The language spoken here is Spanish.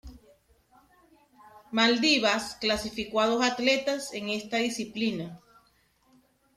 Maldivas clasificó a dos atletas en esta disciplina.